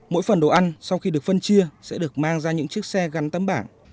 mỗi phần đồ ăn sau khi được phân chia sẽ được mang ra những chiếc xe gắn tấm bảng